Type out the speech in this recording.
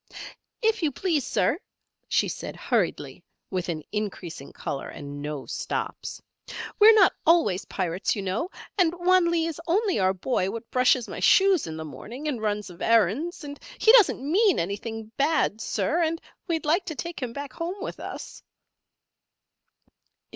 "If you please, Sir," she said, hurriedly, with an increasing colour and no stops, "we're not always pirates, you know, and Wan Lee is only our boy what brushes my shoes in the morning, and runs of errands, and he doesn't mean anything bad, Sir, and we'd like to take him back home with us."